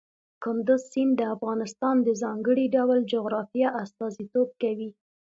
کندز سیند د افغانستان د ځانګړي ډول جغرافیه استازیتوب کوي.